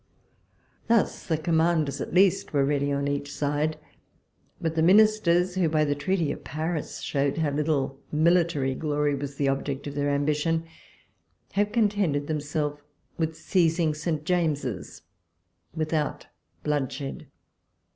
Thus the commanders at least were ready on each side ; but the Minis ters, who by the Treaty of Paris showed little military glory was the object of their ambition, have contented themselves with seizing St. James's without bloodshed.